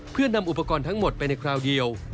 เพื่อนำอุปกรณ์ทั้งหมดไปในคราวเดียว